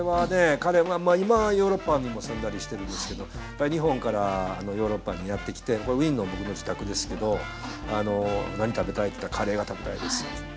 彼今はヨーロッパにも住んだりしてるんですけど日本からヨーロッパにやって来てこれはウィーンの僕の自宅ですけど何食べたい？って言ったらでも野菜も食べさせなきゃと思って